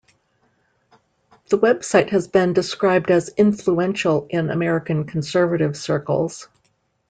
The website has been described as influential in American conservative circles.